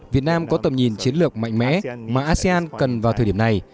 việt nam có tầm nhìn chiến lược mạnh mẽ mà asean cần vào thời điểm này